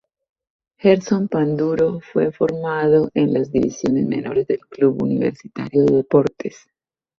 Gerson Panduro fue formado en las divisiones menores del Club Universitario de Deportes.